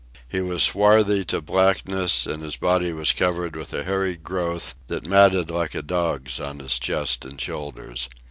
He was swarthy to blackness, and his body was covered with a hairy growth that matted like a dog's on his chest and shoulders.